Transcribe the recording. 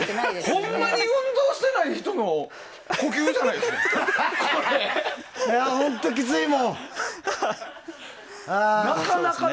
ほんまに運動していない人の呼吸じゃないですか。